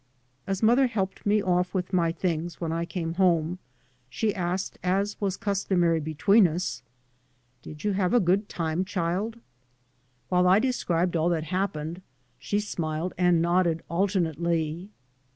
As mother helped me off with my things [MO] 3 by Google MY MOTHER AND I when I came home she asked, as was custom ary between us, " Did you have a good time, childie?" While I described all that hap pened she smiled and nodded alternately.